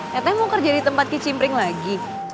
katanya mau kerja di tempat kicimpring lagi